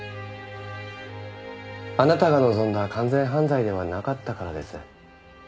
あなたが望んだ完全犯罪ではなかったからです。